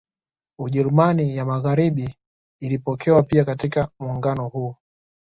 Ujerumani ya Magaharibi ilipokewa pia katika muungano huo